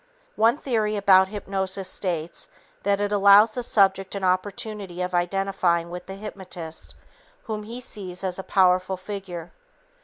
One theory about hypnosis states that it allows the subject an opportunity of identifying with the hypnotist, whom he sees as a powerful figure.